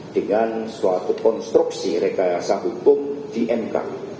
dengan suatu konstruksi rekayasa hukum di mk